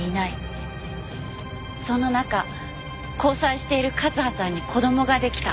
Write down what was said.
そんな中交際している和葉さんに子供ができた。